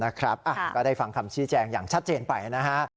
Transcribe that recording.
ก็ได้ฟังคำชี้แจงอย่างชัดเจนไปนะฮะ